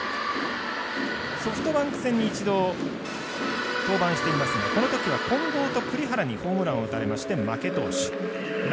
ソフトバンク戦に一度、登板していますがこのときは近藤と栗原にホームランを打たれまして負け投手。